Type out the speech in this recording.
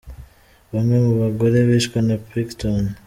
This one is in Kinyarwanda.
Bamwe mu bagore bishwe na Pickton.